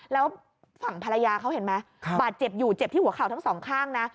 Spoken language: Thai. แล้วฝั่งภรรยาเขาเห็นไหมบาดเจ็บอยู่เจ็บที่หัวเข่าทั้งสองข้างนะ